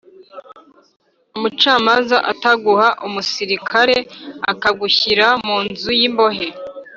umucamanza ataguha umusirikare akagushyira mu nzu y’imbohe